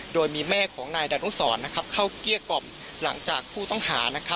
โดยมีแม่ของนายดานุสรเข้าเกลี้ยกล่อมหลังจากผู้ต้องหา